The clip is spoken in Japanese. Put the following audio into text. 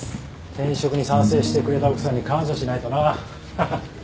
転職に賛成してくれた奥さんに感謝しないとなハハッ。